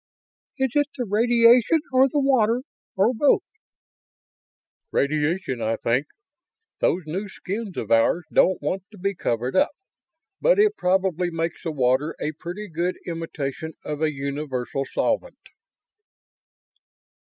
"Is it the radiation or the water? Or both?" "Radiation, I think. These new skins of ours don't want to be covered up. But it probably makes the water a pretty good imitation of a universal solvent."